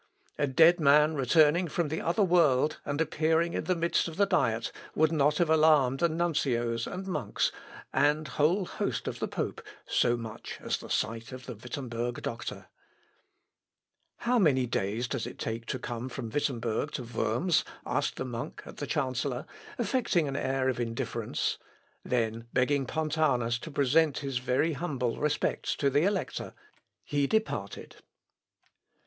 A dead man returning from the other world, and appearing in the midst of the Diet, would not have alarmed the nuncios, and monks, and whole host of the pope, so much as the sight of the Wittemberg doctor. [Sidenote: FAILURE OF GLAPIO'S MANŒUVRES.] "How many days does it take to come from Wittemberg to Worms?" asked the monk at the chancellor, affecting an air of indifference; then begging Pontanus to present his very humble respects to the Elector, he departed.